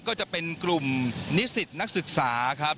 ก็จะเป็นกลุ่มนิสิตนักศึกษาครับ